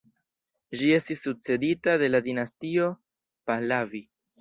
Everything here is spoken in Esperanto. Ĝi estis sukcedita de la dinastio Pahlavi.